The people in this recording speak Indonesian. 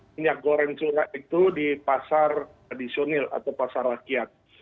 minyak goreng curah itu di pasar tradisional atau pasar rakyat